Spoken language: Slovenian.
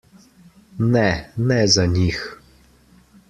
Ne, ne za njih.